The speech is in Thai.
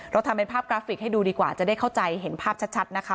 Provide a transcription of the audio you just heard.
เราทำเป็นภาพกราฟิกให้ดูดีกว่าจะได้เข้าใจเห็นภาพชัดนะคะ